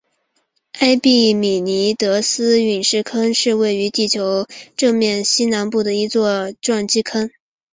埃庇米尼得斯陨石坑是位于月球正面西南部的一座撞击坑。